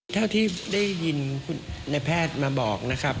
เท่าที่ได้ยินในแพทย์มาบอกนะครับ